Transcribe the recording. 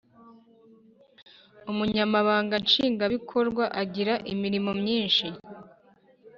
umunyamabanga nshingwabikorwa agira imirimo myinshi